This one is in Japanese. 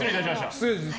失礼ですね。